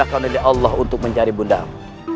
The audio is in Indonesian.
aku ingin mencari bundaku